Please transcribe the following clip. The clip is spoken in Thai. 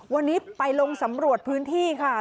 วันนี้ไปลงสำรวจพื้นที่ค่ะ